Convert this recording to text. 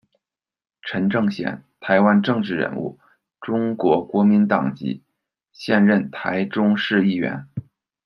陈政显，台湾政治人物，中国国民党籍，现任台中市议员。